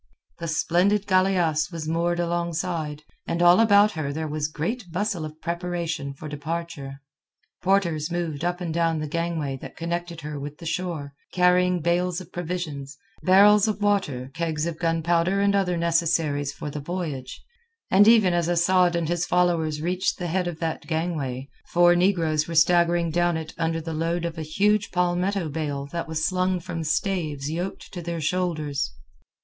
The splendid galeasse was moored alongside, and all about her there was great bustle of preparation for departure. Porters moved up and down the gangway that connected her with the shore, carrying bales of provisions, barrels of water, kegs of gunpowder, and other necessaries for the voyage, and even as Asad and his followers reached the head of that gangway, four negroes were staggering down it under the load of a huge palmetto bale that was slung from staves yoked to their shoulders.